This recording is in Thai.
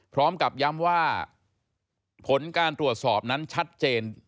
พร้อมกับย้ำว่าผลการตรวจสอบนั้นชัดเจน